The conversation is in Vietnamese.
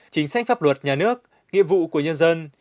chính sách pháp luật nhà nước nghĩa vụ của nhân dân